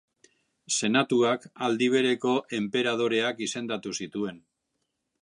Senatuak aldi bereko enperadoreak izendatu zituen.